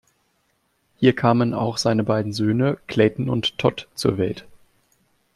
Hier kamen auch seine beiden Söhne, Clayton und Todd, zur Welt.